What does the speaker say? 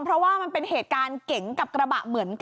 เพราะว่ามันเป็นเหตุการณ์เก๋งกับกระบะเหมือนกัน